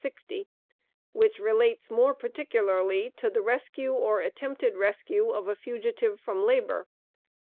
60, which relates more particularly to the rescue, or attempted rescue of a fugitive from labor.